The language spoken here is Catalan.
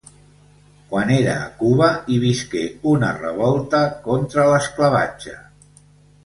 Quan era a Cuba, hi visqué una revolta contra l'esclavatge.